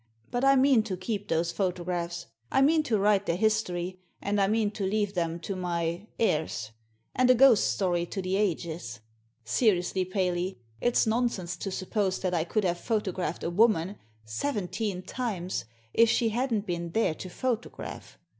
But I mean to keep those photographs; I mean to write their history, and I mean to leave them to my — theirs, and a ghost story to the ages. Seriously, Paley! It's nonsense to suppose that I could have photographed a woman — ^seventeen times — if she hadn't been there to photograph.